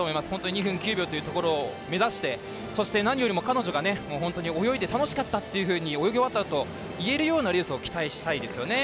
２分９秒というのを目指してそして、何よりも彼女が泳いで楽しかったっていうふうに泳ぎ終わったあと言えるようなレースを期待したいですよね。